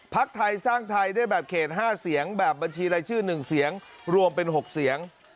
ไทยสร้างไทยได้แบบเขต๕เสียงแบบบัญชีรายชื่อ๑เสียงรวมเป็น๖เสียง